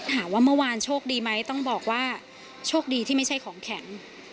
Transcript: ถามว่าเมื่อวานโชคดีไหมต้องบอกว่าโชคดีที่ไม่ใช่ของแข็ง